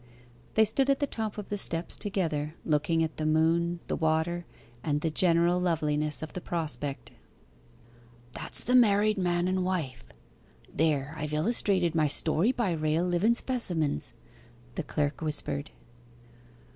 They stood at the top of the steps together, looking at the moon, the water, and the general loveliness of the prospect. 'That's the married man and wife there, I've illustrated my story by rale liven specimens,' the clerk whispered.